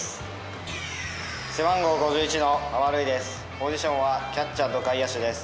ポジションはキャッチャーと外野手です。